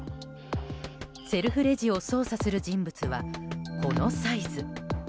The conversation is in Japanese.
セルフレジを操作する人物はこのサイズ。